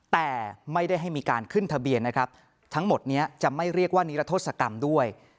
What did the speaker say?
แต่ไม่ได้ให้มีการขึ้นทะเบียนนะครับทั้งหมดนี้จะไม่เรียกว่านิรโทษกรรมด้วย